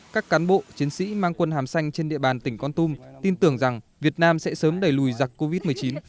các cán bộ chiến sĩ mang quân hàm xanh trên địa bàn tỉnh con tum tin tưởng rằng việt nam sẽ sớm đẩy lùi giặc covid một mươi chín